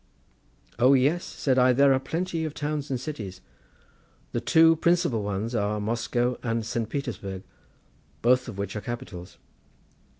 "O yes," said I, "there are plenty of towns and cities. The two principal ones are Moscow and Saint Petersburg, both of which are capitals.